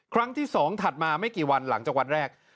ครั้งที่๒ถัดมาไม่กี่วันหลังจากวันแรก